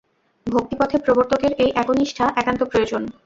ভক্তিপথে প্রবর্তকের এই একনিষ্ঠা একান্ত প্রয়োজন।